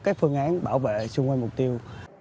các phương án bảo vệ xung quanh mục tiêu